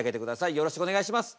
よろしくお願いします。